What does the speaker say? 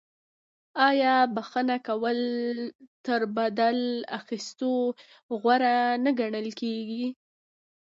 آیا بخښنه کول تر بدل اخیستلو غوره نه ګڼل کیږي؟